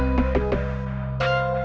ya baik bu